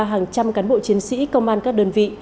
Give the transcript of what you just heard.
hàng trăm cán bộ chiến sĩ công an các đơn vị